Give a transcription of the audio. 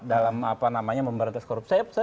dalam apa namanya memberantas korupsi